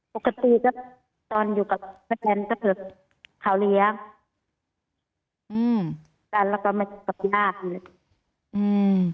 ปกติก็ตอนอยู่กับเพื่อนกันก็ถือเขาเลี้ยอืมแล้วก็ไม่ตบยากเลยอืม